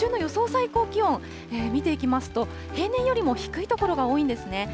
最高気温見ていきますと、平年よりも低い所が多いんですね。